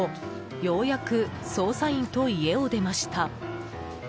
ようやく捜査員と家を出ました。